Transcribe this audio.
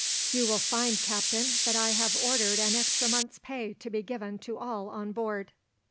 "You will find, captain, that I have ordered an extra month's pay to be given to all on board.